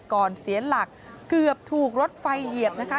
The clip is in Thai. เสียหลักเกือบถูกรถไฟเหยียบนะคะ